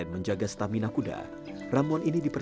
mencapai sekitar enam puluh sembilan ribu ekor